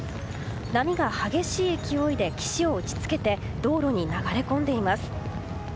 波が激しい勢いで岸を打ち付けて道路に流れ込んでいます。